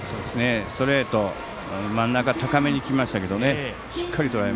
ストレート真ん中高めにきましたけどね